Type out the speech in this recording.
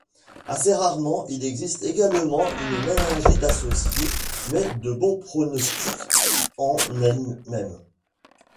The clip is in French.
Assez rarement, il existe également une méningite associée, mais de bon pronostic en elle-même.